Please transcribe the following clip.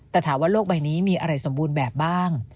แต่ถามว่าโลกใบนี้มีอะไรสมบูรณ์แบบบ้าง